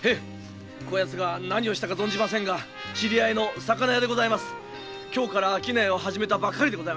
こやつが何をしたか存じませんが知り合いの魚屋でして今日から商いを始めたばっかりで。